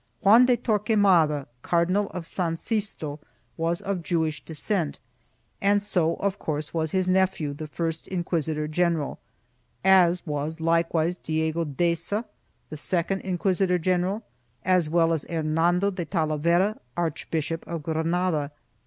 Juan de Torquemada, Cardinal of San Sisto, was of Jewish descent and so, of course, was his nephew, the first inquis itor general,4 as was likewise Diego Deza, the second inquisitor general, as well as Her nan do de Talavera, Archbishop of Granada.